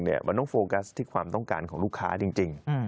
มันต้องโฟกัสที่ความต้องการของลูกค้าจริง